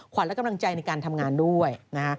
ขวัญและกำลังใจในการทำงานด้วย